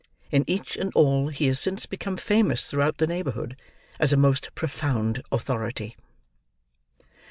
In each and all he has since become famous throughout the neighborhood, as a most profound authority.